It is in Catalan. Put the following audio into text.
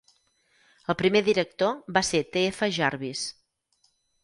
El primer director va ser T F Jarvis.